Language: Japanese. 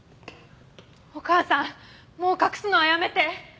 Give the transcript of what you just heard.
お母さんもう隠すのはやめて！